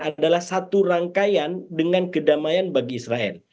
adalah satu rangkaian dengan kedamaian bagi israel